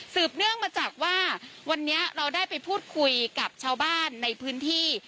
เนื่องมาจากว่าวันนี้เราได้ไปพูดคุยกับชาวบ้านในพื้นที่